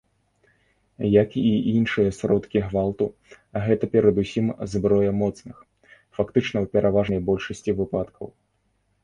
Як і іншыя сродкі гвалту, гэта перадусім зброя моцных, фактычна ў пераважнай большасці выпадкаў.